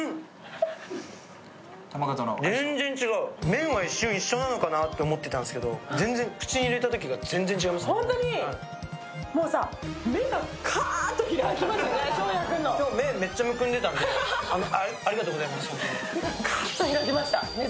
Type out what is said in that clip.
麺は一瞬、一緒なのかなと思ってたんですけど、口に入れたときが全然違いましたね。